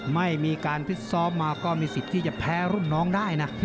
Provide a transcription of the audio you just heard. ไม่มีการฟิตซ้อมมาก็มีสิทธิ์ที่จะแพ้รุ่นน้องได้นะ